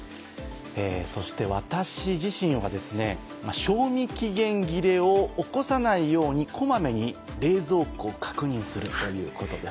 そして私自身はですね賞味期限切れを起こさないように小まめに冷蔵庫を確認するということです。